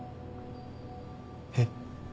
えっ？